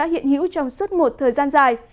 hữu trong suốt một thời gian dài